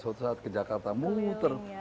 suatu saat ke jakarta muter